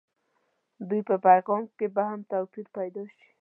دوی په پیغام کې به هم توپير پيدا شي.